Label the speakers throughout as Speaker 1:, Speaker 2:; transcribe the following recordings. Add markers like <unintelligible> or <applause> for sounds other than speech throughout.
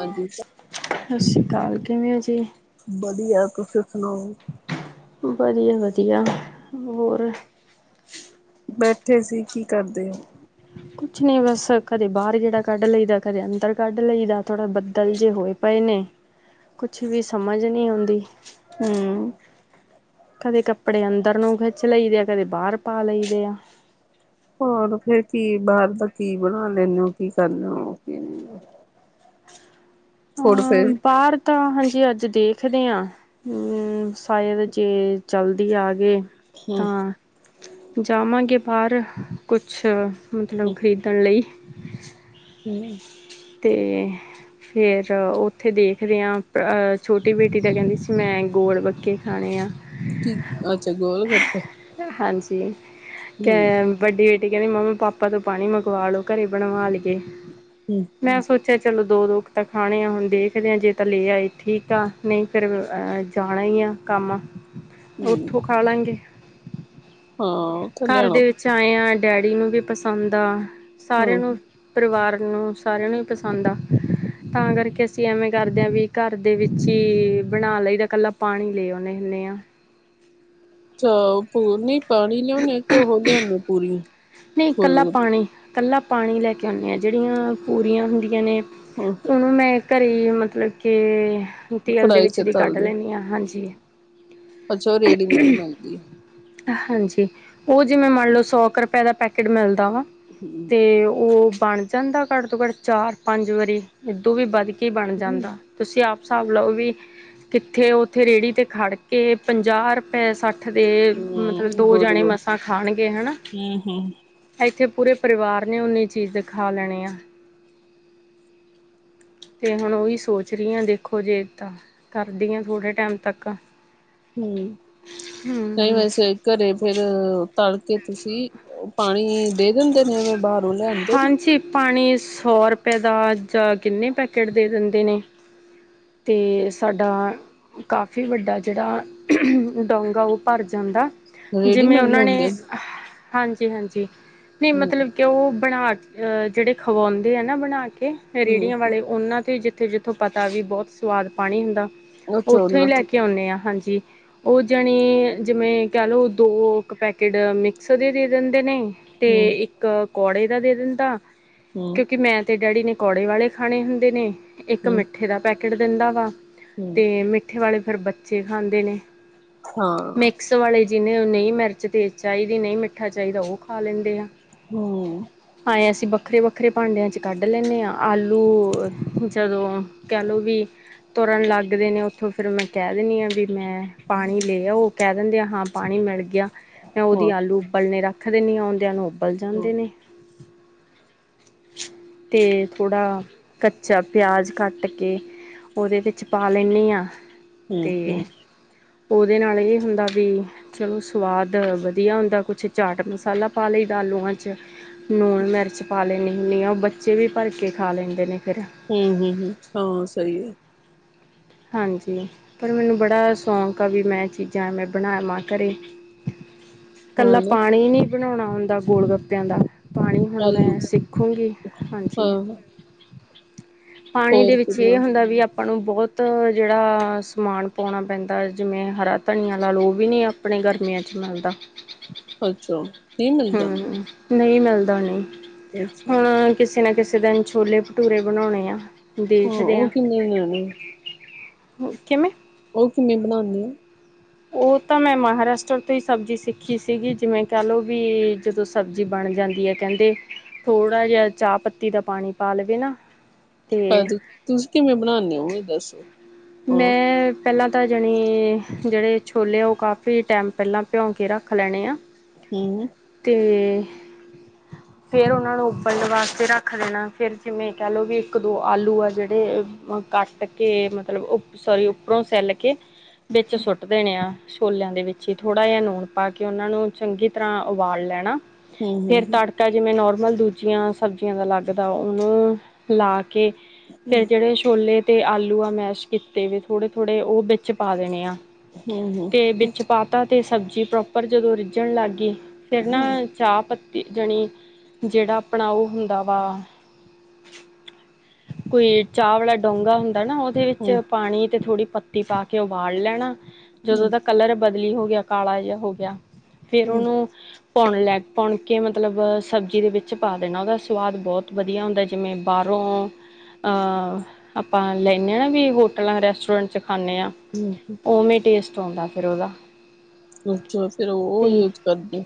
Speaker 1: ਹਾਂਜੀ
Speaker 2: ਸਸ ਸ੍ਰੀ ਕਾਲ, ਕਿਵੇਂ ਹੋ ਜੀ?
Speaker 1: ਵਧੀਆ, ਤੁਸੀ ਸੁਣਾਓ?
Speaker 2: ਵਧੀਆ-ਵਧੀਆ ਹੋਰ
Speaker 1: ਬੈਠੇ ਸੀ ਕੀ ਕਰਦੇ ਹਾ।
Speaker 2: ਕੁਛ ਨੀ ਬਸ ਕਦੇ ਬਾਹ ਗੇੜਾ ਕੱਢ ਲਈ ਦਾ ਕਦੇ ਅੰਦਰ ਕੱਢ ਲਈ ਦਾ ਥੋੜਾ ਬੱਦਲ ਜੇ ਹੋਏ ਪਏ ਨੇ ਕੁਛ ਵੀ ਸਮਝ ਨੀ ਆਉਂਦੀ।
Speaker 1: ਹੁੰ
Speaker 2: ਕਦੇ ਕੱਪੜੇ ਅੰਦਰ ਨੂੰ ਖਿੱਚ ਲਈਦੇ ਆ ਕਦੇ ਬਾਰ ਪਾ ਲਈ ਦੇ ਆ।
Speaker 1: ਹੋਰ ਫੇਰ ਕੀ ਬਾਰ ਦਾ ਕੀ ਬਣਾ ਲੈਨੇ ਹੋ ਕੀ ਕਰਨੇ ਹੋ ਕੀ ਨਹੀਂ ਫੂਡ
Speaker 2: ਹਾਂ
Speaker 1: ਫੇਰ
Speaker 2: ਬਾਰ ਤਾਂ ਹਾਂਜੀ ਅੱਜ ਦੇਖਦੇ ਹਾਂ। ਹੂੰ ਸ਼ਾਇਦ ਜੇ ਜਲਦੀ ਆ ਗਏ
Speaker 1: ਹੂੰ
Speaker 2: ਤਾਂ ਜਾਵਾਂਗੇ ਬਾਰ ਕੁਛ ਮਤਲਬ ਖਰੀਦਣ ਲਈ।
Speaker 1: ਹੂੰ
Speaker 2: ਤੇ ਫਿਰ ਉੱਥੇ ਦੇਖਦੇ ਹਾਂ ਛੋਟੀ ਬੇਟੀ ਦਾ ਕਹਿੰਦੀ ਸੀ ਮੈਂ ਗੋਲ ਬੱਕੇ ਖਾਣੇ ਆ।
Speaker 1: ਠੀ ਅੱਛਾ ਗੋਲ ਗੱਪੇ।
Speaker 2: ਹਾਂਜੀ ਕ
Speaker 1: ਹਮ
Speaker 2: ਵੱਡੀ ਬੇਟੀ ਕਹਿੰਦੀ ਮੰਮੀ ਪਾਪਾ ਤੋਂ ਪਾਣੀ ਮੰਗਵਾ ਲੋ ਘਰੇ ਬਣਵਾ ਲਈਏ।
Speaker 1: ਹੂੰ
Speaker 2: ਮੈਂ ਸੋਚਿਆ ਚਲੋ ਦੋ-ਦੋ ਕੁ ਤਾਂ ਖਾਣੇ ਆ ਹੁਣ ਦੇਖਦੇ ਆ ਜੇ ਤਾ ਲੈ ਆਏ ਠੀਕ ਆ। ਨਈ ਫਿਰ ਜਾਣਾ ਹੀ ਆ ਕੰਮ
Speaker 1: ਹਮ
Speaker 2: ਉੱਥੇ ਖਾ ਲਾਂਗੇ।
Speaker 1: ਹਾਂ ਉਥੋਂ ਲਿਆਣਾ।
Speaker 2: ਚਾਆ ਡੈਡੀ ਨੂੰ ਵੀ ਪਸੰਦ ਆ
Speaker 1: ਹਾਂ
Speaker 2: ਸਾਰਿਆਂ ਨੂੰ ਪਰਿਵਾਰ ਨੂੰ ਸਾਰਿਆਂ ਨੂੰ ਹੀ ਪਸੰਦ ਆ। ਤਾਂ ਕਰਕੇ ਅਸੀਂ ਐਵੇਂ ਕਰਦੇ ਹਾਂ ਵੀ ਘਰ ਦੇ ਵਿੱਚ ਹੀ ਬਣਾ ਲਈ ਦਾ ਕੱਲਾ ਪਾਣੀ ਲੈ ਆਉਦੇ ਹੁੰਨੇ ਆ।
Speaker 1: ਚ ਨਈ ਪਾਣੀ ਲਿਆਉਣੇ ਆ ਕਿ ਉਹ ਲਿਆਣੇ ਪੂਰੀ ਗੋਲ ਗ
Speaker 2: ਕੱਲਾ ਪਾਣੀ ਲੈ ਕੇ ਆਨੇ ਆ ਜਿਹੜੀਆ ਪੂਰੀਆ ਹੁੰਦੀਆਂ ਨੇ
Speaker 1: ਹਾਂ
Speaker 2: ਉਹਨੂੰ ਮੈਂ ਘਰੇ, ਮਤਲਬ ਕਿ ਤੇਲ ਦੇ
Speaker 1: ਕੜਾਹੀ
Speaker 2: ਵਿੱਚ
Speaker 1: ਚ
Speaker 2: ਦੀ ਕੱਢ
Speaker 1: ਤਲਦੇ
Speaker 2: ਲੈਂਦੀ ਹਾਂ, ਹਾਂਜੀ।
Speaker 1: ਅੱਛਾ, ਉਹ ਰੇਡੀਮੇਡ ਮਿਲਦੀ।
Speaker 2: ਹਾਂਜੀ, ਉਹ ਜਿਵੇਂ ਮੰਨ ਲਓ ਸੌ 'ਕੁ ਰੁਪਏ ਦਾ ਪੈਕੇਟ ਮਿਲਦਾ ਵਾ
Speaker 1: ਹਮ
Speaker 2: ਤੇ ਉਹ ਬਣ ਜਾਂਦਾ ਘੱਟ ਤੋਂ ਘੱਟ, ਚਾਰ ਪੰਜ ਵਾਰੀ, ਏਦੋਂ ਵੀ ਵੱਧ ਕੇ ਕੀ ਬਣ ਜਾਂਦਾ, ਤੁਸੀਂ ਆਪ ਹਿਸਾਬ ਲਓ ਵੀ ਕਿੱਥੇ, ਉੱਥੇ ਰੇਹੜੀ ਤੇ ਖੜ ਕੇ ਪੰਜਾਹ ਰੁਪਏ ਸੱਠ ਦੇ, ਮਤਲਬ
Speaker 1: ਹਮ
Speaker 2: ਦੋ
Speaker 1: ਗੋਲ
Speaker 2: ਜਾਣੇ ਮਸਾਂ ਖਾਣਗੇ, ਹਨਾ।
Speaker 1: ਗੱਪੇ ਹਮ ਹਮ
Speaker 2: ਇੱਥੇ ਪੂਰੇ ਪਰਿਵਾਰ ਨੇ, ਉਨੀੇ ਚੀਜ਼ ਦਿਖਾ ਲੈਣੀ ਆ। ਤੇ ਹੁਣ ਉਹੀ ਸੋਚ ਰਹੀ ਹਾਂ ਦੇਖੋ ਜੇ ਤਾਂ, ਕਰਦੀ ਹਾਂ ਥੋੜੇ ਟਾਈਮ ਤੱਕ
Speaker 1: ਹਮ, ਕਈ
Speaker 2: ਹਮ
Speaker 1: ਵੈਸੇ ਘਰੇ ਫੇਿਰ ਤਲ ਕੇ ਤੁਸੀਂ, ਪਾਣੀ ਦੇ ਦਿੰਦੇ ਨੇਵੇਂ ਬਾਹਰ?
Speaker 2: ਹਾਂਜੀ, ਪਾਣੀ ਸੌ ਰੁਪਏ ਦਾ ਜਾਂ ਕਿੰਨੇ ਪੈਕੇਟ ਦੇ ਦਿੰਦੇ ਨੇ। ਤੇ ਸਾਡਾ ਕਾਫੀ ਵੱਡਾ ਜਿਹੜਾ, ਡੋਂਗ ਆ ਉਹ ਭਰ ਜਾਂਦਾ ਜਿਵੇਂ
Speaker 1: ਰੇਡੀਮੇਡ
Speaker 2: ਉਹਨਾਂ
Speaker 1: ਲਿਆਂਦੇ
Speaker 2: ਨੇ, ਹਾਂਜੀ ਹਾਂਜੀ, ਨਹੀਂ
Speaker 1: ਹੂੰ
Speaker 2: ਮਤਲਬ ਕਿ ਉਹ ਬਣਾ ਅ ਜਿਹੜੇ ਖਵਾਉਂਦੇ ਆ ਨਾ ਬਣਾ ਕੇ ਰੇਹੜੀਆਂ ਵਾਲੇ,
Speaker 1: ਹੂੰ
Speaker 2: ਉਹਨਾਂ ਤੇ ਜਿੱਥੇ ਜਿੱਥੋਂ ਪਤਾ ਵੀ ਬਹੁਤ ਸਵਾਦ ਪਾਣੀ ਹੁੰਦਾ,
Speaker 1: ਅੱਛਾ
Speaker 2: ਉੱਥੋਂ ਹੀ
Speaker 1: ਉਹਨਾਂ
Speaker 2: ਲੈ
Speaker 1: ਤੇ
Speaker 2: ਕੇ ਆਉਂਦੇ ਹਾਂ, ਹਾਂਜੀ। ਉਹ ਜਾਣੀ ਜਿਵੇਂ ਕਹਿ ਲਓ, ਦੋ ਇੱਕ ਪੈਕੇਟ ਮਿਕਸ ਦੇ ਦੇ ਦਿੰਦੇ ਨੇ ਤੇ
Speaker 1: ਹੂੰ
Speaker 2: ਇੱਕ ਕੌੜੇ ਦਾ ਦੇ ਦਿੰਦਾ,
Speaker 1: ਹੂੰ
Speaker 2: ਕਿਉਂਕਿ ਮੈਂ ਤੇ ਡੈਡੀ ਨੇ ਪਕੌੜੇ ਵਾਲੇ ਖਾਣੇ ਹੁੰਦੇ ਨੇ, ਇੱਕ
Speaker 1: ਹੂੰ
Speaker 2: ਮਿੱਠੇ ਦਾ ਪੈਕੇਟ ਦਿੰਦਾ ਵਾ,
Speaker 1: ਹੂੰ
Speaker 2: ਅਤੇ ਮਿੱਠ ਮੱਠੇ ਵਾਲੇ ਫੇਰ ਬੱਚੇ ਖਾਂਦੇ ਨੇ,
Speaker 1: ਹਾਂ
Speaker 2: ਮਿਕਸ ਵਾਲੇ ਜਿਹਨੇ ਨਹੀਂ ਮਿਰਚ ਤੇਜ਼ ਚਾਹੀਦੀ, ਨਹੀਂ ਮਿੱਠਾ ਚਾਹੀਦਾ, ਉਹ ਖਾ ਲੈਂਦੇ ਆ।
Speaker 1: ਹਮ <unintelligible>
Speaker 2: ਭਾਵੇਂ ਅ, ਸੀਂ ਵੱਖਰੇ ਵੱਖਰੇ ਭਾਂਡਿਆਂ 'ਚ ਕੱਢ ਲੈਂਦੇ ਹਾਂ, ਆਲੂ ਜਦੋਂ ਕਹਿਲੋ ਵੀ ਤੁਰਨ ਲੱਗਦੇ ਨੇ ਉੱਥੋਂ, ਫਿਰ ਮੈਂ ਕਹਿ ਦਿੰਣੀਦੀ ਹਾਂ ਵੀ ਮੈਂ ਪਾਣੀ ਲਿਆ ਆ, ਉਹ ਕਹਿ ਦਿੰਦੇ ਆ, ਹਾਂ ਪਾਣੀ ਮਿਲ ਗਿਆ, ਮੈਂ ਉਹਦੀ
Speaker 1: ਹੂੰ
Speaker 2: ਆਲੂ ਉਬਲਣੇ ਰੱਖ ਰੱਖ ਦਿੰਦੀ ਆ, ਆਂਦੇਿਆਂ ਨੂੰ ਉਬਲ ਜਾਂਦੇ ਨੇ। ਤੇ ਥੋੜ੍ਹਾ, ਕੱਚਾ ਪਿਆਜ਼ ਕੱਟ ਕੇ ਉਹਦੇ ਵਿੱਚ ਪਾ ਲੈਂਨਦੇ ਹਾਂ,
Speaker 1: ਹੂੰ
Speaker 2: ਤੇ
Speaker 1: ਹੂੰ
Speaker 2: ਉਹਦੇ ਨਾਲ ਇਹ ਹੁੰਦਾ, ਵੀ ਚਲੋ ਸਵਾਦ ਵਧੀਆ ਹੁੰਦਾ, ਕੁਛ ਚਾਟ ਮਸਾਲਾ ਪਾ ਲਈ ਦਲੂਆਂ ਲੂਣ ਮਿਰਚ ਪਾ ਲੈਂਦੀ ਹੁੰਦੀ ਆ, ਉਹ ਬੱਚੇ ਵੀ ਭਰ ਕੇ ਖਾ ਲੈਂਦੇ ਨੇ ਫਿਰ।
Speaker 1: ਹਮ ਹਮ, ਹਮ ਹਾਂ, ਸਹੀ ਹੈ।
Speaker 2: ਹਾਂਜੀ, ਪਰ ਮੈਨੂੰ ਬੜਾ ਸ਼ੌਂਕ ਆ, ਵੀ ਮੈਂ ਚੀਜ਼ਾਂ ਐਵੇਂ ਬਣਾਵਾਂ ਘਰੇ
Speaker 1: ਹਾਂ
Speaker 2: ਇਕੱਲਾ
Speaker 1: ਨਾ
Speaker 2: ਪਾਣੀ ਨੀ ਬਣਾਉਣਾ ਹੁੰਦਾ, ਗੋਲ ਗੱਪਿਆਂ ਦਾ ਪਾਣੀ ਹੁਣ
Speaker 1: ਆਲੂ
Speaker 2: ਮੈਂ ਸਿੱਖੂੰਗੀ,
Speaker 1: ਹਾਂ
Speaker 2: ਹਾਂਜੀ।
Speaker 1: ਹਾਂ
Speaker 2: ਪਾਣੀ ਦੇ
Speaker 1: ਹੋਰ
Speaker 2: ਵਿੱਚ ਇਹ
Speaker 1: ਕਿੰਨਾ
Speaker 2: ਹੁੰਦਾ, ਵੀ ਆਪ ਆਪਾਂ ਨੂੰ ਬਹੁਤ ਜਿਹੜਾ ਸਮਾਨ ਪਾਉਣਾ ਪੈਂਦਾ ਜਿਵੇਂ ਹਰਾ ਧਨੀ ਲਾ ਲੋ, ੳ ਵੀ ਨੀ ਅਪਾ ਆਪਣੇ ਗਰਮੀਆਂ 'ਚ ਮਿਲਦਾ।
Speaker 1: ਅੱਛਾ। <unintelligible> ਮਿਲਦਾ
Speaker 2: ਹਮ ਹ, ਨਹੀਂ ਮਿਲਦਾ, ਉਹ ਨਹੀਂ
Speaker 1: ਅੱਛਾ।
Speaker 2: ਹੁਣ ਕਿਸੇ ਨਾ ਕਿਸੇ ਦਿਨ, ਛੋਲੇ ਭਟੂਰੇ ਬਣਾਉਣੇ ਆ।
Speaker 1: ਹਾਂ
Speaker 2: ਦੇਖਦੇ
Speaker 1: ਉਹ
Speaker 2: ਹ,
Speaker 1: ਕਿਵੇਂ ਬਣਾਉਣੇ
Speaker 2: ਕਿਵੇਂ?
Speaker 1: ਉਹ ਕਿਵੇਂ ਬਣਾਉਂਦੇ ਆ?
Speaker 2: ਉਹ ਤਾਂ ਮੈਂ ਮਹਾਰਾਸ਼ਟਰ ਤੋਂ ਹੀ ਸਬਜ਼ੀ ਸਿੱਖੀ ਸੀਗੀ ਜਿਵੇਂ ਕਹਿ ਲਓ ਵੀ ਜਦੋਂ, ਪਰ ਸਬਜ਼ੀ ਬਣ ਜਾਂਦੀ ਹੈ ਕਹਿੰਦੇ ਥੋੜਾ ਜਿਹਾ ਚਾਹ ਪੱਤੀ ਦਾ ਪਾਣੀ ਪਾ ਲਵੇ ਨਾ, ਤੇ
Speaker 1: ਤੁਸੀਂ ਕਿਵੇਂ ਬਣਾਉਦੇ ਹੋ ਇਹ ਦੱਸੋ? ਹਾਂ
Speaker 2: ਮੈਂ ਪਹਿਲਾਂ ਤਾਂ ਜਾਣੀ ਜਿਹੜੇ ਛੋਲੇ ਆ ਉਹ ਕਾਫੀ ਟਾਈਮ ਪਹਿਲਾਂ ਭਿਉਂ ਕੇ ਰੱਖ ਲੈਣੇ ਆ।
Speaker 1: ਹਮ
Speaker 2: ਅਤੇ ਫੇਰ ਉਹਨਾਂ ਨੂੰ ਉਬਲਣ ਵਾਸਤੇ ਰੱਖ ਦੇਣਾ ਫਿਰ ਜਿਵੇਂ ਕਹਿ ਲਓ ਵੀ ਇੱਕ ਦੋ ਆਲੂ ਆ ਜਿਹੜੇ ਅ ਕੱਟ ਕੇ ਮਤਲਬ ਸੋਰੀ ਉੱਪਰੋਂ ਸੈੱਲ ਕੇ ਦ ਵਿੱਚ ਸੁੱਟ ਦੇਣੇ ਆ ਛੋਲਿਆਂ ਦੇ ਵਿੱਚ ਹੀ ਥੋੜ੍ਹਾ ਜਿਹਾ ਲੂਣ ਪਾ ਕੇ ਉਹਨਾਂ ਨੂੰ ਚੰਗੀ ਤਰ੍ਹਾਂ ਉਬਾਲ ਲੈਣਾ ਫੇਰ ਤੜਕੀ ਟਾ ਜਿਵੇਂ ਨੋਰਮਲ ਦੂਜੀਆਂ ਸਬਜ਼ੀਆਂ ਦਾ ਲੱਗਦਾ ਉਹਨੂੰ ਲਾ ਕੇ ਫੇਰ ਜਿਹੜੇ ਛੋਲੇ ਤੇ ਆਲੂ ਆ ਮੈਸ਼ ਕੀਤੇ ਵੀ ਥੋੜੇ ਥੋੜੇ ਉਹ ਵਿੱਚ ਪਾ ਦੇਣੇ ਆ। ਤੇ ਵਿੱਚ ਪਾਤਾ ਤੇ ਸਬਜ਼ੀ ਪ੍ਰੋਪਰ ਜਦੋਂ ਰਿੱਝਣ ਲੱਗ ਗਈ ਫੇਰ ਨਾ ਚਾਹਪੱਤੀ ਜਣੀ ਜਿਹੜਾ ਆਪਣਾ ਉਹ ਹੁੰਦਾ ਵਾ। ਕੋਈ ਚਾਹ ਵਾਲਾ ਡੋਂਗਾ ਹੁੰਦਾ ਨਾ ਉਹ ਦੇ ਵਿੱਚ
Speaker 1: ਅੱਛਾ
Speaker 2: ਪਾਣੀ ਅਤੇ ਥੋੜ੍ਹੀ ਪੱਤੀ ਪਾ ਕੇ ਉਬਾਲ ਲੈਣਾ ਜਦੋਂ ਤੱਕ ਕਲਰ ਬਦਲੀ ਹੋ ਗਿਆ ਕਾਲਾ ਜਿਹਾ ਹੋ ਗਿਆ ਫੇਰ ਉਹਨੂੰ ਪੂਣ ਲੈ ਪੂਣ ਕੇ ਮਤਲਬ ਸਬਜ਼ੀ ਦੇ ਵਿੱਚ ਪਾ ਦੇਣਾ ਉਹਦਾ ਸਵਾਦ ਬਹੁਤ ਵਧੀਆ ਹੁੰਦਾ ਜਿਵੇਂ ਬਾਹਰੋਂ ਅਹ ਆਪਾਂ ਲੈਂਦੇ ਹਾਂ ਨਾ ਵੀ ਹੋਟਲਾਂ ਰੈਸਟੋਰੈਂਟ ਚ ਖਾਂਦੇ ਹਾਂ।
Speaker 1: ਹਮ
Speaker 2: ਉਵੇਂ ਟੇਸਟ ਆਉਂਦਾ ਫਿਰ ਉਹਦਾ।
Speaker 1: ਅੱਛਾ ਫੇਰ ਉਹ
Speaker 2: ਅਤੇ
Speaker 1: ਯੂਜ ਕਰਦੇ।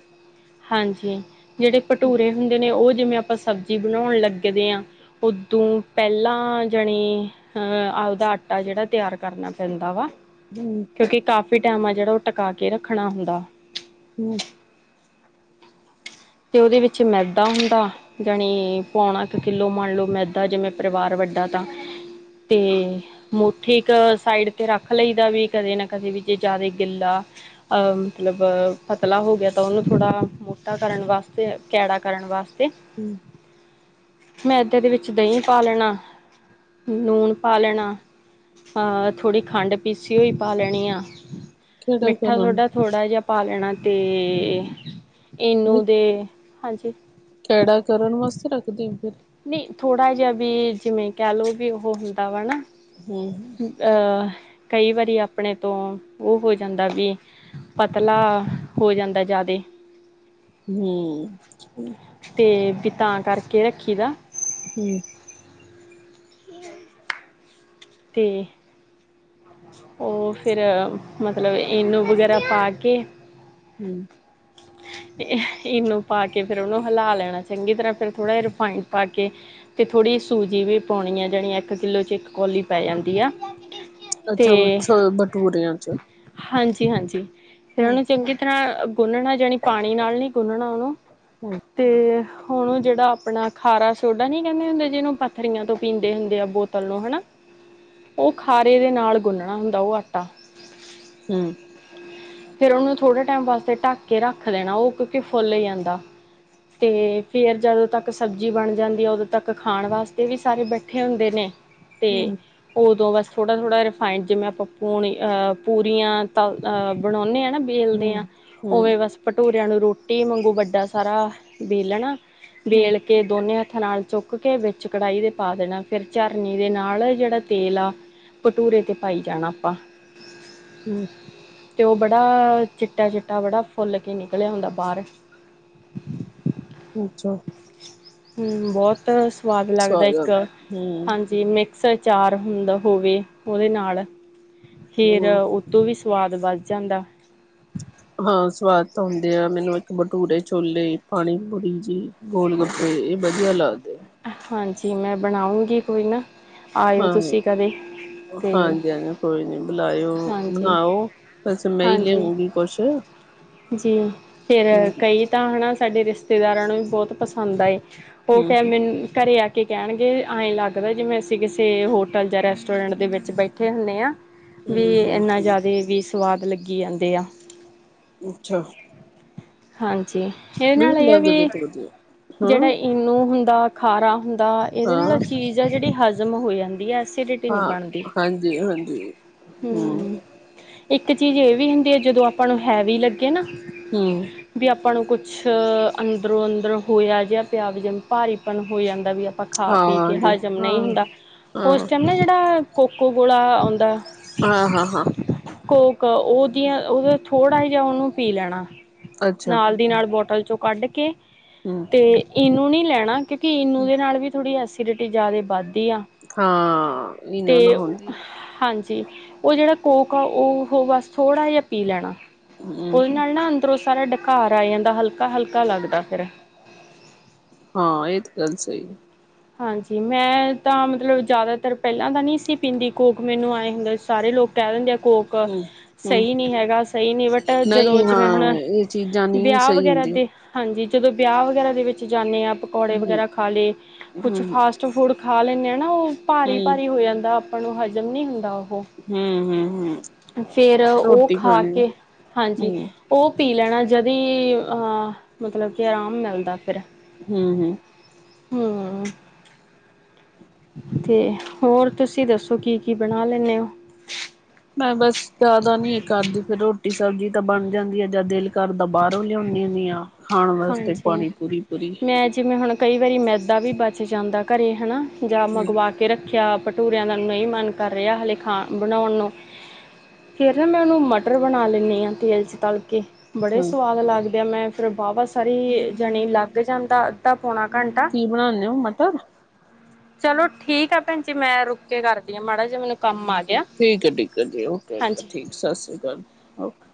Speaker 2: ਹਾਂਜੀ ਜਿਹੜੇ ਭਟੂਰੇ ਹੁੰਦੇ ਨੇ ਉਹ ਜਿਵੇਂ ਆਪਾਂ ਸਬਜ਼ੀ ਬਣਾਉਣ ਲੱਗਦੇ ਹਾਂ। ਉਦੋਂ ਪਹਿਲਾਂ ਜਾਣੇ। ਅਹ ਉਹਦਾ ਆਟਾ ਜਿਹੜਾ ਤਿਆਰ ਕਰਨਾ ਪੈਂਦਾ ਵਾ।
Speaker 1: ਹਮ
Speaker 2: ਕਿਉਂਕਿ ਕਾਫੀ ਟਾਈਮ ਆ ਜਿਹੜਾ ਉਹ ਟਿਕਾ ਕੇ ਰੱਖਣਾ ਹੁੰਦਾ।
Speaker 1: ਹਮ
Speaker 2: ਉਹਦੇ ਵਿੱਚ ਮੈਦਾ ਹੁੰਦਾ। ਜਾਣੀ ਪੌਣਾ ਕ ਕਿੱਲੋ ਮੰਨ ਲਓ ਮੈਂਦਾਂ ਜਿਵੇਂ ਪਰਿਵਾਰ ਵੱਡਾ ਤਾਂ ਤੇ ਮੋਠੀ ਇੱਕ ਸਾਈਡ ਤੇ ਰੱਖ ਲਈਦਾ ਵੀ ਕਦੇ ਨਾ ਕਦੇ ਵੀ ਜੇ ਜ਼ਿਆਦਾ ਗਿੱਲਾ ਅ ਮਤਲਬ ਪਤਲਾ ਹੋ ਗਿਆ ਤਾਂ ਉਹਨੂੰ ਥੋੜ੍ਹਾ ਮੋਟਾ ਕਰਨ ਵਾਸਤੇ ਕੈੜਾ ਕਰਨ ਵਾਸਤੇ
Speaker 1: ਹਮ
Speaker 2: ਮੈਦੇ ਦੇ ਵਿੱਚ ਦਹੀਂ ਪਾ ਲੈਣਾ। ਲੂਣ ਪਾ ਲੈਣਾ। ਥੋੜ੍ਹੀ ਖੰਡ ਪੀਸੀ ਹੋਈ ਪਾ ਲੈਣੀ ਹਾਂ।
Speaker 1: ਕਿਹੜਾ
Speaker 2: ਮਿੱਠਾ
Speaker 1: ਕਰਨ
Speaker 2: ਸੋਡਾ ਥੋੜ੍ਹਾ ਜਿਹਾ ਪਾ ਲੈਣਾ ਤੇ
Speaker 1: ਨਹੀਂ
Speaker 2: ਇਨੂੰ ਦੇ ਹਾਂਜੀ
Speaker 1: ਕੈੜਾ ਕਰਨ ਵਾਸਤੇ ਰੱਖਦੇ ਹੋ ਫਿਰ
Speaker 2: ਨਹੀਂ ਥੋੜਾ ਜਿਹਾ ਵੀ ਜਿਵੇਂ ਕਹਿ ਲਓ ਵੀ ਜਿਵੇਂ ਉਹ ਹੁੰਦਾ ਵਾ ਨਾ
Speaker 1: ਹਮ
Speaker 2: ਅਹ ਕਈ ਵਾਰੀ ਆਪਣੇ ਤੋਂ ਉਹ ਹੋ ਜਾਂਦਾ ਵੀ ਪਤਲਾ ਹੋ ਜਾਂਦਾ ਯਾਦੇ।
Speaker 1: ਹੂੰ।
Speaker 2: ਤੇ ਵੀ ਤਾਂ ਕਰਕੇ ਰੱਖੀ ਦਾ
Speaker 1: ਹੂੰ।
Speaker 2: <inaudible> ਤੇ ਓ ਫੇਰ ਮਤਲਬ ਈਨੂੰ ਵਗੈਰਾ ਪਾ ਕੇ
Speaker 1: ਹੂੰ।
Speaker 2: <inaudible> ਈਨੋ ਪਾ ਕੇ ਫੇਰ ਓਨੂੰ ਹਿਲਾ ਲੈਣਾ ਚੰਗੀ ਤਰ੍ਹਾਂ ਫੇਰ ਥੋੜਾ ਜਹਜ ਰੀਫਾਈੰਡ ਪਾ ਕੇ ਤੇ ਥੋੜੀ ਸੂਜੀ ਵੀ ਪੌਣੀ ਆ ਜਾਣੀ ਇੱਕ ਕਿੱਲੋ ਚ ਏਕ ਕੌਲੀ ਪੈ ਜਾਂਦੀ ਆ
Speaker 1: ਅੱਛਾ ਸ ਬਟੂਰੇਆਂ ਚ
Speaker 2: ਹਾਂਜੀ-ਹਾਂਜੀ, ਫੇਰ
Speaker 1: ਹੂੰ
Speaker 2: ਓਨੂੰ ਚੰਗੀ ਤਰਾ ਗੁੰਨਣਾ ਜਨੀ ਪਾਣੀ ਨਾਲ ਨੀ ਗੂਨਣਾ ਓਨੂੰ
Speaker 1: ਹੂੰ
Speaker 2: ਤੇ ਓਨੂੰ ਓ ਜੇੜਾ ਆਪਣਾ ਖਾਰਾ ਸੋਡਾ ਨੀ ਕੈਂਦੇ ਹੁੰਦੇ ਜੀਨੂੰ ਪੱਥਰੀਆਂ ਤੋਂ ਪੀਂਦੇ ਹੁੰਦੇ ਆ ਬੋਤਲ ਨੂੰ ਹਨਾ ਓ ਖਾਰੇ ਦੇ ਨਾਲ ਗੁੰਨਣਾ ਹੁੰਦਾ ਓ ਆਟਾ।
Speaker 1: ਹੂੰ।
Speaker 2: ਫੇਰ ਓਨੂੰ ਥੋੜੇ ਟੈਮ ਵਾਸਤੇ ਢੱਕ ਕੇ ਰੱਖ ਲੈਣਾ ਓ ਕੋਕੀ ਫੋਲ ਜਾਂਦਾ ਤੇ ਫੇਰ ਜਦੋਂ ਤੱਕ ਸਬਜ਼ੀ ਬਣ ਜਾਂਦੀ ਏ ਉਦੋਂ ਤੱਕ ਖਾਣ ਵਾਸਤੇ ਵੀ ਸਾਰੇ ਬੈਠੇ ਹੁੰਦੇ ਨੇ ਤੇ
Speaker 1: ਹੂੰ
Speaker 2: ਓਦੋਂ ਬਸ ਥੋੜਾ-ਥੋੜਾ ਫਾਈਡ ਜਿਵੇਂ ਆਪਾਂ ਪੂਣੀ ਆ ਪੂਰੀਆਂ ਤਲ ਆ ਬਣੋਣੇ ਆ ਨਾ
Speaker 1: ਹੂੰ
Speaker 2: ਵੇਲਦੇ ਆ,
Speaker 1: ਹੂੰ
Speaker 2: ਓਵੇਂ ਬਸ ਭਟੂੂਰੇਆਂ ਨੂੰ ਰੋਟੀ ਮਾਗੂ ਵੱਡਾ ਸਾਰਾ ਵੇਲਣਾ
Speaker 1: ਹੂੰ
Speaker 2: ਬੇਲ ਕੇ ਦੋਨੇ ਹੱਥਾਂ ਨਾਲ ਚੁੱਕ ਕੇ ਵੇਚ ਕੜਾਈ ਦੇ ਪਾ ਦੇਣਾ ਫੇਰ ਝਰਨੀ ਦੇ ਨਾਲ ਜੇੜਾ ਤੇਲ ਆ ਭਟੂਰੇ ਤੇ ਪਾਈ ਜਾਣਾ ਆਪਾਂ।
Speaker 1: ਹੂੰ।
Speaker 2: ਤੇ ਓ ਬੜਾ ਚੀਟਾ-ਚੀਟਾ ਬੜਾ ਫੌਲ ਕੇ ਨਿਕਲ ਔਦਾ ਬਾਰ। <inaudible>
Speaker 1: ਅੱਛਾ।
Speaker 2: ਹੂੰ ਬੌਤ ਸਵਾਦ ਲੱਗਦਾ ਏਕ,
Speaker 1: ਆਂਦਾ ਹੂੰ
Speaker 2: ਹਾਂਜੀ ਮੇ ਕਸ ਚਾਰ ਹੁੰਦਾ ਹੋਵੇ ਓਦੇ ਨਾਲ ਫੇਰ
Speaker 1: ਹੂੰ
Speaker 2: ਤੋਂ ਵੀ ਸਵਾਦ ਵੱਧ ਜਾਂਦਾ।
Speaker 1: ਹਾਂ ਸਵਾਦ ਤਾਂ ਹੁੰਦੇ ਆ ਮੇਨੂੰ ਏਕ ਬਟੂਰੇ-ਛੋਲੇ ਪਾਣੀ-ਪੂਰੀ ਜੀ ਗੋਲ ਗਪੇ ਏ ਵਧੀਆ ਲੱਗਦੇ ਆ।
Speaker 2: ਹਾਂਜੀ ਮੈਂ ਬਣਾਉਗੀ ਕੋਈ ਨਾ ਆਇਓ
Speaker 1: ਹਾਂ
Speaker 2: ਤੁਸੀਂ ਕਦੇ ਤੇ
Speaker 1: ਹਾਂਜੀ ਹਾਂ ਕੋਈ ਨੀ ਬੁਲਾਇਓ
Speaker 2: ਹਾਂਜੀ
Speaker 1: ਬਣਾਓ ਵੈਸੇ ਮੈਂ ਈ ਲੈ
Speaker 2: ਹਾਂਜੀ
Speaker 1: ਆਉਂਗੀ ਕੁਛ
Speaker 2: ਜੀ ਫੇਰ ਕਈ ਤਾਂ ਹਨਾ ਸਾਡੇ ਰਿਸ਼ਤੇਦਾਰਾਂ ਨੂੰ ਵੀ ਬੌਤ ਪਸੰਦ ਆਏ ਓ
Speaker 1: ਹੂੰ
Speaker 2: ਕੈ ਮੇਨੂੰ ਘਰੇ ਆ ਕੇ ਕੈਣਗੇ ਐ ਲੱਗਦਾ ਜੀਵੇਂ ਅਸੀਂ ਕੀਸੇ ਹੋਟਲ ਜਾਂ ਰੈਸਟ ਟੋਰੈਂਟ ਦੇ ਵਿੱਚ ਬੈਠੇ ਹੁਣੇ ਆ ਵੀ
Speaker 1: ਹੂੰ ਹੂੰ
Speaker 2: ਐਨਾ
Speaker 1: ਹੂੰ
Speaker 2: ਜਾਦੇ ਵੀ ਸਵਾਦ ਲੱਗੀ ਜਾਂਦੇ ਆ।
Speaker 1: ਅੱਛਾ।
Speaker 2: ਹਾਂਜੀ, ਏਦੇ
Speaker 1: ਮੈਨੂੰ
Speaker 2: ਨਾਲ ਏ
Speaker 1: ਲੱਗਦੇ
Speaker 2: ਵੀ,
Speaker 1: ਤਾਂ ਵਧੀਆ
Speaker 2: ਜੇੜਾ
Speaker 1: ਹਾਂ
Speaker 2: ਈਨੂੰ ਹੁੰਦਾ ਖਾਰਾ ਹੁੰਦਾ ਏਦੇ ਨਾਲ
Speaker 1: ਹਾਂ
Speaker 2: ਚੀਜ਼ ਆ ਜੇੜੀ ਹਜ਼ਮ ਹੋ ਜਾਂਦੀ ਆ ਅ ਐਸੀਡਿਟੀ ਨੀ
Speaker 1: ਹਾਂ
Speaker 2: ਬਣਦੀ,
Speaker 1: ਹਾਂਜੀ ਹਾਂਜੀ
Speaker 2: ਹੂੰ। ਇੱਕ ਚੀਜ਼ ਇਹ ਵੀ ਹੁੰਦੀ ਐ, ਜਦੋਂ ਆਪਾਂ ਨੂੰ ਹੈਵੀ ਲੱਗੇ ਨਾ
Speaker 1: ਹੂੰ।
Speaker 2: ਵੀ ਆਪਾਂ ਨੂੰ ਕੁਛ ਕੁਛ ਅੰਦਰੋਂ ਅੰਦਰ ਹੋਇਆ ਜਿਹਾ ਪਿਆ, ਵੀ ਜਮੇ ਭਾਰੀਪਨ ਹੋ ਜਾਂਦਾ ਵੀ ਆਪਾਂ ਖਾ
Speaker 1: ਹਾਂ
Speaker 2: ਪੀ ਕੇ
Speaker 1: ਹਾਂਜੀ
Speaker 2: ਹਜ਼ਮ
Speaker 1: ਹਾਂ
Speaker 2: ਨਹੀਂ ਹੁੰਦਾ,
Speaker 1: ਹਾਂ
Speaker 2: ਉਸ ਟਾਈਮ ਨਾ ਜਿਹੜਾ ਕੋਕੋ ਕੋਲਾ ਆਉਂਦਾ
Speaker 1: ਹਾਂ ਹਾਂ ਹਾਂ
Speaker 2: ਕੋਕ ਉਹਦੀਆਂ, ਉਹ ਥੋੜਾ ਜਿਹਾ ਉਹਨੂੰ ਪੀ ਲੈਣਾ
Speaker 1: ਅੱਛਾ
Speaker 2: ਨਾਲ ਦੀ ਨਾਲ ਬੋਟਲ 'ਚੋਂ ਕੱਢ ਕੇ,
Speaker 1: ਹੂੰ
Speaker 2: ਤੇ ਈਨੋ ਨੀ ਲੈਣਾ ਕਿ ਕਿ ਈਨੋ ਦੇ ਨਾਲ ਵੀ, ਥੋੜ੍ਹੀ ਐਸੀਡਿਟੀ ਜ਼ਿਆਦੇ ਵੱਧਦੀ ਆ
Speaker 1: ਹਾਂ, ਈਨੋ ਨਾਲ ਹੁੰਦੀ ਆ।
Speaker 2: ਜੀ ਉਹ ਜਿਹੜਾ ਕੋਕ ਆ, ਉਹ ਬਸ ਥੋੜਾ ਜਿਹਾ ਪੀ ਲੈਣਾ।
Speaker 1: ਆ
Speaker 2: ਉਹਦੇ
Speaker 1: ਹੂੰ
Speaker 2: ਨਾਲ ਨਾ ਅ ਅੰਦਰੋਂ ਉਹ ਸਾਰਾ ਡਕਾਰ ਆ ਜਾਂਦਾ, ਹਲਕਾ- ਹਲਕਾ ਲੱਗਦਾ ਫਿਰ।
Speaker 1: ਹਾਂ, ਇਹ ਤੇ ਗੱਲ ਸਹੀ ਏ।
Speaker 2: ਹਾਂਜੀ, ਮੈਂ ਤਾਂ ਮਤਲਬ ਜ਼ਿਆਦਾਤਰ ਪਹਿਲਾਂ ਤਾਂ ਨਹੀਂ ਸੀ ਪੀਂਦੀ ਕੋਕ, ਮੈਨੂੰ ਐ ਹੁੰਦੇ ਸੀ ਸਾਰੇ ਲੋਕ ਕਹਿ ਦਿੰਦੇ ਆ ਕੋਕ
Speaker 1: ਹੂੰ ਹੂੰ
Speaker 2: ਸਹੀ ਨਹੀਂ ਹੈਗਾ, ਸਹੀ ਨਹੀਂ, ਬਟ ਜਦੋਂ
Speaker 1: ਨਹੀਂ
Speaker 2: ਜਿਵੇਂ ਹੁਣ
Speaker 1: ਹਾਂ ਇਹ ਚੀਜ਼ਾਂ ਨਹੀਂ
Speaker 2: ਵਿਆਹ
Speaker 1: ਸਹੀ
Speaker 2: ਵਗੈਰਾ
Speaker 1: ਹੁੰਦੀਆਂ।
Speaker 2: ਦੇ ਹਾਂਜੀ, ਜਦੋਂ ਵਿਆਹ ਵਗੈਰਾ ਦੇ ਵਿੱਚ ਜਾਂਣੇ ਆ, ਪਕੌੜੇ
Speaker 1: ਹੂੰ
Speaker 2: ਵਗੈਰਾ ਖਾ ਲਏ, ਕੁਛ
Speaker 1: ਹੂੰ
Speaker 2: ਫਾਸਟ ਟ ਫੁਡ ਖਾ ਲੈਂਣੇ ਆ ਨਾ, ਉਹ ਭਾਰੀ- ਭਾਰੀ ਹੋ ਜਾਂਦਾ ਆਪਾਂ ਨੂੰ, ਹਜ਼ਮ ਨਹੀਂ ਹੁੰਦਾ ਉਹ
Speaker 1: ਹੂੰ, ਹੂੰ, ਹੂੰ।
Speaker 2: ਫੇਰ ਉਹ
Speaker 1: ਰੋਟੀ
Speaker 2: ਖਾ
Speaker 1: ਪਾਣੀ
Speaker 2: ਕੇ, ਹਾਂਜੀ
Speaker 1: ਹੂੰ
Speaker 2: ਉਹ ਪੀ ਲੈਣਾ, ਜਦੀ ਅਹ ਮਤਲਬ ਕਿ ਆਰਾਮ ਮਿਲਦਾ ਫਿਰ।
Speaker 1: ਹਮ-ਹਮ।
Speaker 2: ਹਮ ਤੇ ਹੋਰ, ਤੁਸੀਂ ਦੱਸੋ ਕੀ-ਕੀ ਬਣਾ ਲੈਂਦੇ ਹੋ?
Speaker 1: ਮੈਂ ਬਸ ਜ਼ਿਆਦਾ ਨੀ ਕਰਦੀ, ਫਿਰ ਰੋਟੀ ਸਬਜ਼ੀ ਤਾਂ ਬਣ ਜਾਂਦੀ ਆ, ਜਾਂ ਦਿਲ ਕਰਦਾ ਬਾਹਰੋਂ ਲਿਆਉਂਦੀ ਹੁੰਦੀ ਆ। ਖਾਣ ਵਾਸਤੇ
Speaker 2: ਹਾਂਜੀ,
Speaker 1: ਪਾਣੀ ਪੂਰੀ ਪੂਰੀ
Speaker 2: ਮੈਂ ਜਿਵੇਂ ਹੁਣ ਕਈ ਵਾਰੀ ਮੈਦਾ ਵੀ ਬਚ ਜਾਂਦਾ ਘਰ ਹੈ ਨਾ, ਜਾਂ
Speaker 1: ਹੂੰ
Speaker 2: ਮੰਗਵਾ ਕੇ ਰੱਖ ਖਿਆ ਭਟੂਰਿਆਂ ਦਾ ਨਹੀਂ ਮਨ ਕਰ ਰਿਹਾ, ਹਾਲੇ ਖਾ ਬਣਾਉਣ ਨੂੰ ਫਿਰ ਨਾ ਮੈਂ ਉਹਨੂੰ ਮਟਰ ਬਣਾ ਲੈਂਦੀ ਹਾਂ, ਤੇਲ 'ਚ ਤਲ ਕੇ ਬੜੇ
Speaker 1: ਹੂੰ
Speaker 2: ਸਵਾਦ ਲੱਗਦੇ ਆ, ਮੈਂ ਫਿਰ ਬਵਾ ਸਰੀ ਜਾਣੇ ਲਾਗੇ ਜਾਂਦਾ ਅੱਧਾ ਪੌਣਾ ਘੰਟਾ
Speaker 1: ਕੀ ਬਣਾਉਂਦੇ ਹੋ ਮਟਰ
Speaker 2: ਚਲੋ ਠੀਕ ਆ ਭੈਣ ਜੀ, ਮੈਂ ਰੁਕੇ ਕੇ ਕਰਦੀ ਹਾਂ, ਮਾੜਾ ਜਿ ਮੈਨੂੰ ਕੰਮ ਆ ਗਿਆ
Speaker 1: ਠੀਕ ਹੈ, ਠੀਕ ਹੈ ਜੀ, ਓਕੇ ਓ,
Speaker 2: ਹਾਂਜੀ
Speaker 1: ਠੀਕ ਸਤਿ ਸ਼੍ਰੀ ਅਕਾਲ, ਓਕੇ।